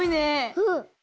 うん。